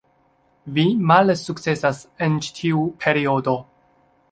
Vi malsukcesas en ĉi tiu periodo